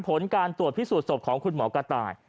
ผลการตรวจพิสูจนศพของคุณหมอกระต่าย